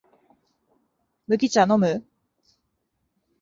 麦茶のむ？